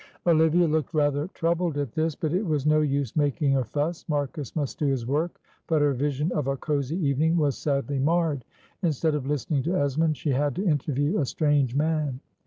Olivia looked rather troubled at this, but it was no use making a fuss. Marcus must do his work, but her vision of a cosy evening was sadly marred. Instead of listening to Esmond she had to interview a strange man.